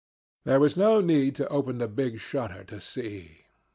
There was no need to open the big shutter to see.